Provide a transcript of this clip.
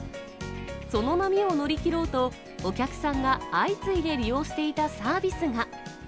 その波を乗り切ろうと、お客さんが相次いで利用していたサービスが。